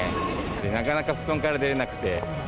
なかなか布団から出れなくて。